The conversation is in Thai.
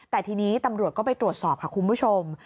แต่ทีนี้ตำรวจก็ไปตรวจสอบค่ะคุณผู้ชม